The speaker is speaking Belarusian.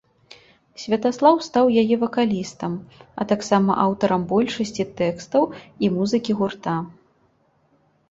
Святаслаў стаў яе вакалістам, а таксама аўтарам большасці тэкстаў і музыкі гурта.